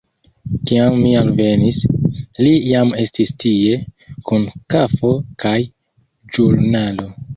Kiam mi alvenis, li jam estis tie, kun kafo kaj ĵurnalo.